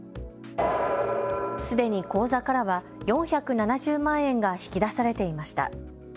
すでに口座からは４７０万円が引き出されていました。